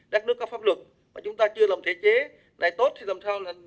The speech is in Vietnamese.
đất nước có pháp luật mà chúng ta chưa làm thể chế này tốt thì làm sao